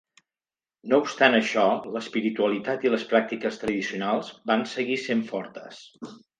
No obstant això, l'espiritualitat i les pràctiques tradicionals van seguir sent fortes.